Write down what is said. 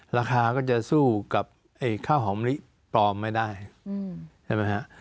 ราคาก็จะสู้กับข้าวหอมลิปลอมไม่ได้ใช่ไหมครับ